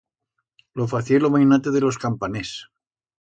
Lo facié lo mainate de los campaners.